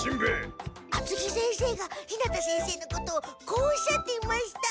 厚着先生が日向先生のことをこうおっしゃっていました。